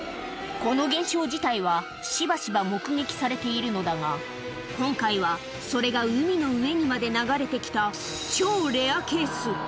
この現象自体は、しばしば目撃されているのだが、今回はそれが海の上にまで流れてきた、超レアケース。